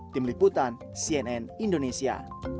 tim liputan cnn indonesia